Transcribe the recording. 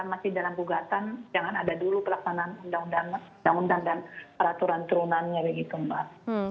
masih dalam gugatan jangan ada dulu pelaksanaan undang undang dan peraturan turunannya begitu mbak